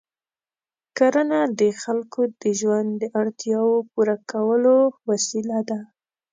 کرنه د خلکو د ژوند د اړتیاوو پوره کولو وسیله ده.